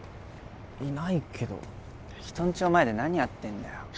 いないけど人んちの前で何やってんだよ